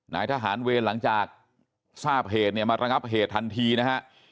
นายทหารเวรหลังจากทราบเหตุเนี่ยมาระงับเหตุทันทีนะฮะ